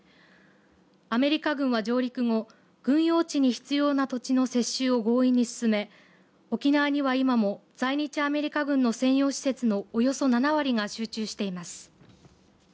アメリカ軍は、上陸後軍用地に必要な土地の接収を強引に進め沖縄には今も在日アメリカ軍の専用施設のおよそ７割が集中しています。